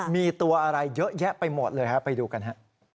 มีตัวอะไรเยอะแยะไปหมดเลยฮะไปดูกันฮะ